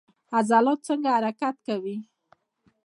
عضلات څنګه حرکت کوي؟